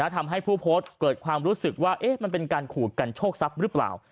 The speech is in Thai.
ทำให้ผู้โพสต์เกิดความรู้สึกว่ามันเป็นการขู่กันโชคทรัพย์หรือเปล่า